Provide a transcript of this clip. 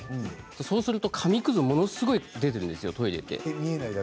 そうすると紙くずがものすごく出ているんですよトイレは。